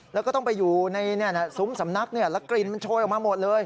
แล้วก็ต้องไปอยู่ในซุ้มสำนักแล้วกลิ่นมันโชยออกมาหมดเลย